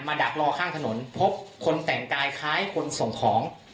ดักรอข้างถนนพบคนแต่งกายคล้ายคนส่งของ